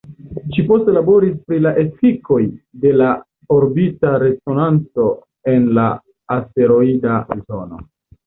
Ŝi poste laboris pri la efikoj de la orbita resonanco en la asteroida zono.